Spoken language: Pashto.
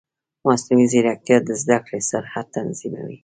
مصنوعي ځیرکتیا د زده کړې سرعت تنظیموي.